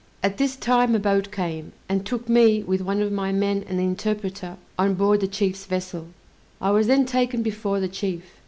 At this time a boat came, and took me, with one of my men and the interpreter, on board the chief's vessel. I was then taken before the chief.